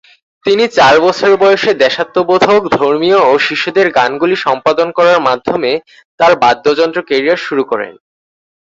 তিনি চার বছর বয়সে দেশাত্মবোধক, ধর্মীয় ও শিশুদের গানগুলি সম্পাদন করার মাধ্যমে তার বাদ্যযন্ত্র ক্যারিয়ার শুরু করেন।